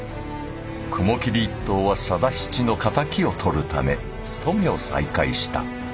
雲霧一党は定七の敵を取るため盗めを再開した。